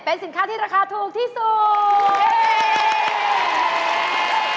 เป็นสินค้าที่ราคาถูกที่สุด